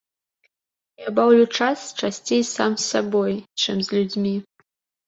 Я баўлю час часцей сам з сабой, чым з людзьмі.